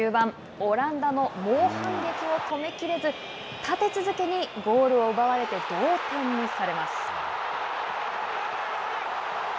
オランダの猛反撃を止めきれず立て続けにゴールを奪われて同点にされます。